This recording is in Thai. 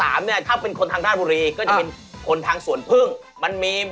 อันนี้ผิวขาวเพราะว่าเป็นเชื้อสาวมอน